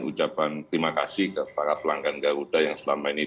ucapan terima kasih ke para pelanggan garuda yang selama ini